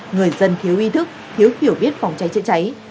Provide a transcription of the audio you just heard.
người dân thiếu ý thức thiếu hiểu biết phòng cháy chữa cháy